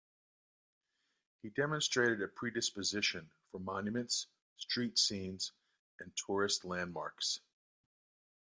He demonstrated a predisposition for monuments, street scenes, and tourist landmarks.